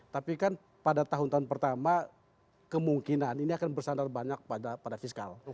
tapi kan pada tahun tahun pertama kemungkinan ini akan bersandar banyak pada fiskal